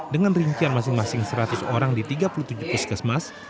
dengan rincian masing masing seratus orang di tiga puluh tujuh puskesmas